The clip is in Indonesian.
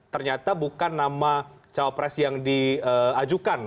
ternyata bukan nama cawapres yang diajukan